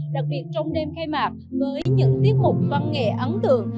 đặc biệt trong đêm khai mạc với những tiết mục văn nghệ ấn tượng